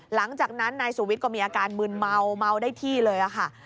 หลังจากนั้นนายสุวิทย์ก็มีอาการมืนเมาเมาได้ที่เลยค่ะ